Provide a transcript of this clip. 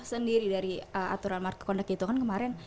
sendiri dari aturan mark conduct itu kan kemarin